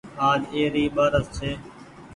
آج اي ري ٻآرس ڇي۔